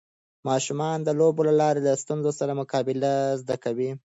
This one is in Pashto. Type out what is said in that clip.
ماشومان د لوبو له لارې له ستونزو سره مقابله زده کوي.